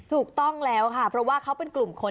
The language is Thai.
ถูกต้องแล้วค่ะเพราะว่าเขาเป็นกลุ่มคน